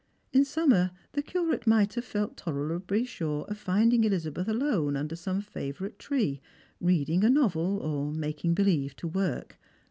In summer the Curate might have felt tolerably sure of finding Elizabeth alone under some favourite tree, reading a novel, or making believe to work.